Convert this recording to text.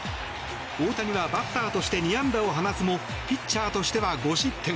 大谷はバッターとして２安打を放つもピッチャーとしては５失点。